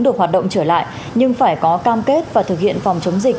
được hoạt động trở lại nhưng phải có cam kết và thực hiện phòng chống dịch